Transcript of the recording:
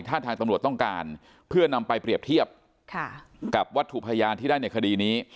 ถ้าทางตำรวจต้องการเพื่อนำไปเปรียบเทียบกับวัตถุพยานที่ได้ในคดีนี้